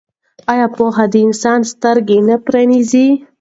آیا پوهه د انسان سترګې نه پرانیزي؟